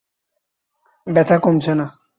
ব্যাথা কমছে না।